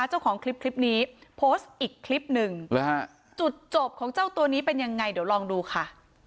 เจ้าของคลิปคลิปนี้โพสต์อีกคลิปหนึ่งจุดจบของเจ้าตัวนี้เป็นยังไงเดี๋ยวลองดูค่ะ